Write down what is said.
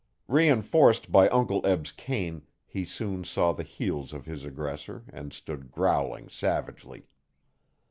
Re enforced by Uncle Eb's cane he soon saw the heels of his aggressor and stood growling savagely.